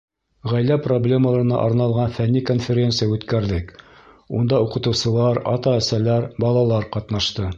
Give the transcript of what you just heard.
Ғаилә проблемаларына арналған фәнни конференция үткәрҙек, унда уҡытыусылар, ата-әсәләр, балалар ҡатнашты.